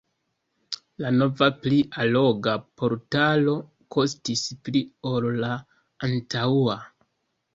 La nova pli alloga portalo kostis pli ol la antaŭa.